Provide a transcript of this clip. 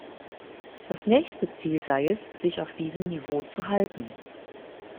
Das nächste Ziel sei es, sich auf diesem Niveau zu halten.